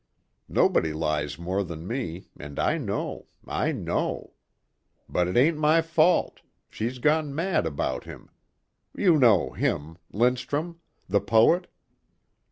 Nobody lies more than me, and I know, I know. But it ain't my fault she's gone mad about him. You know him Lindstrum, the poet.